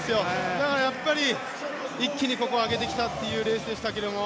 だからやっぱり、一気にここは上げてきたというレースでした。